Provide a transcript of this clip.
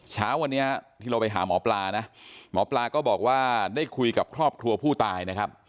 เช้าวันนี้ที่เราไปหาหมอปลานะหมอปลาก็บอกว่าได้คุยกับครอบครัวผู้ตายนะครับ